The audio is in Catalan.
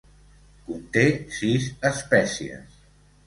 Conté sis espècies.